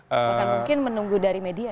bahkan mungkin menunggu dari media